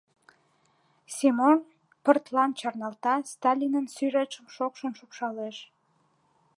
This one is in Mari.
Семон пыртлан чарналта, Сталинын сӱретшым шокшын шупшалеш.